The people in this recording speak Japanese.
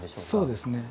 そうですね。